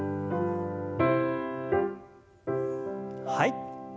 はい。